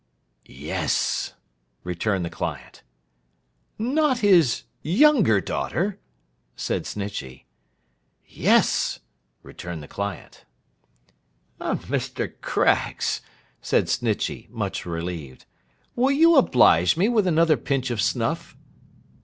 'Yes!' returned the client. 'Not his younger daughter?' said Snitchey. 'Yes!' returned the client. 'Mr. Craggs,' said Snitchey, much relieved, 'will you oblige me with another pinch of snuff?